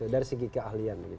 dari segi keahlian